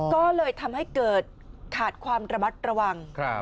ก็เลยทำให้เกิดขาดความระมัดระวัง